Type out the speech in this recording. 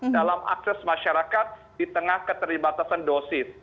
dalam akses masyarakat di tengah keterlibatan dosis